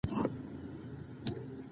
د پښتو د بقا لپاره لاسونه سره ورکړئ.